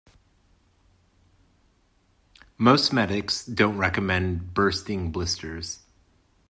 Most medics don't recommend bursting blisters